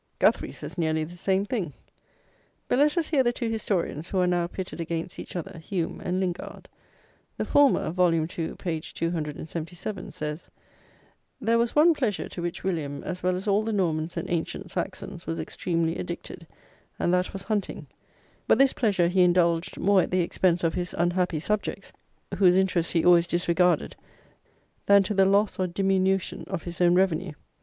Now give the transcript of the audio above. Guthrie says nearly the same thing. But let us hear the two historians, who are now pitted against each other, Hume and Lingard. The former (vol. II. p. 277) says: "There was one pleasure to which William, as well as all the Normans and ancient Saxons, was extremely addicted, and that was hunting: but this pleasure he indulged more at the expense of his unhappy subjects, whose interests he always disregarded, than to the loss or diminution of his own revenue.